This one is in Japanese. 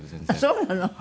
そうなの？